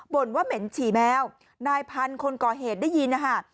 ว่าเหม็นฉี่แมวนายพันธุ์คนก่อเหตุได้ยินนะคะ